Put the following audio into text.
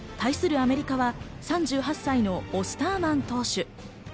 アメリカは、３８歳のオスターマン投手。